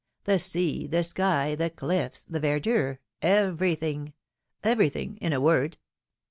The sea, the sky, the cliflFs, the verdure, everything — everything, in a word